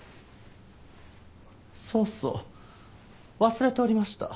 そうそう忘れておりました。